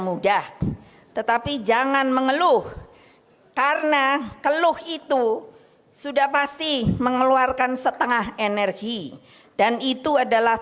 mudah tetapi jangan mengeluh karena keluh itu sudah pasti mengeluarkan setengah energi dan itu adalah